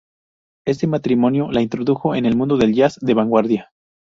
Este matrimonio la introdujo en el mundo del jazz de vanguardia.